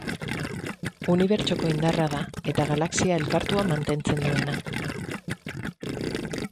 Unibertsoko indarra da, eta galaxia elkartuta mantentzen duena.